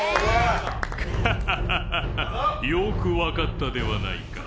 ハハハよく分かったではないか。